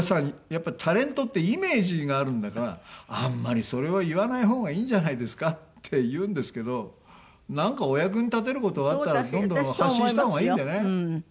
やっぱりタレントってイメージがあるんだからあんまりそれを言わないほうがいいんじゃないですか」って言うんですけどなんかお役に立てる事があったらどんどん発信したほうがいいんでね。